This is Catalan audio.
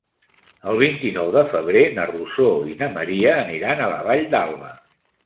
El vint-i-nou de febrer na Rosó i na Maria aniran a la Vall d'Alba.